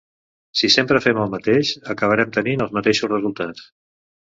Si sempre fem el mateix, acabarem tenint els mateixos resultats.